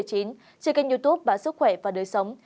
trên kênh youtube bản sức khỏe và đời sống